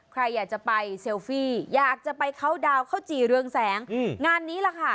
ใครอยากจะไปเซลฟี่อยากจะไปเข้าดาวน์ข้าวจี่เรืองแสงงานนี้ล่ะค่ะ